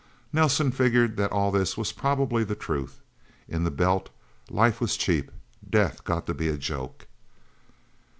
Nelsen figured that all this was probably the truth. In the Belt, life was cheap. Death got to be a joke.